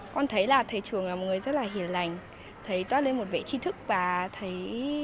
con thấy là thầy trường là một người rất là hiền lành thấy toát lên một vị trí thức và thấy